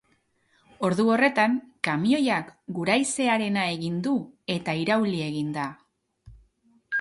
Ordu horretan, kamioiak guraizearena egin du, eta irauli egin da.